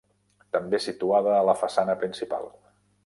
També situada a la façana principal.